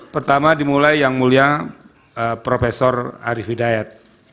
pertama dimulai yang mulia profesor arief hidayat